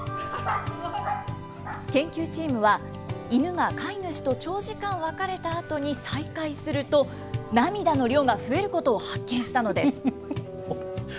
研究チームは、イヌが飼い主と長時間別れたあとに再会すると、涙の量が増えることを発見したのです。